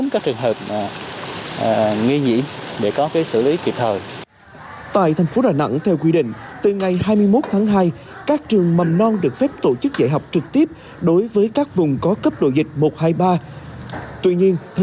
các cơ sở mầm non ở vùng có cấp độ dịch một trăm hai mươi ba